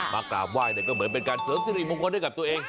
กราบไหว้ก็เหมือนเป็นการเสริมสิริมงคลให้กับตัวเอง